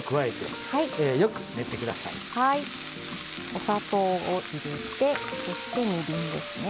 お砂糖を入れてそしてみりんですね。